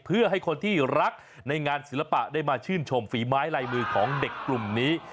เพื่อให้คนที่รักในงานศิลปะได้มาชื่นชมฝีไม้ลายมือของเด็กกลุ่มนี้